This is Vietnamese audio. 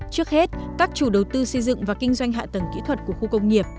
trước hết các chủ đầu tư xây dựng và kinh doanh hạ tầng kỹ thuật của khu công nghiệp